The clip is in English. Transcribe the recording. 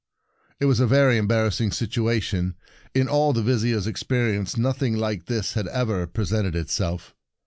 It was a very embarrassing situation. In all the Vizier's experience nothing just like this had ever presented itself.